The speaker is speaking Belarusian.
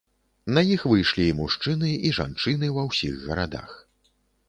На іх выйшлі і мужчыны, і жанчыны ва ўсіх гарадах.